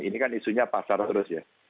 ini kan isunya pasar terus ya